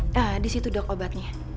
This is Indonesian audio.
nah disitu dok obatnya